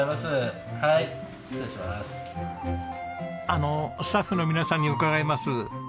あのスタッフの皆さんに伺います。